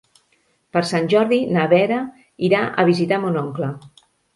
Per Sant Jordi na Vera irà a visitar mon oncle.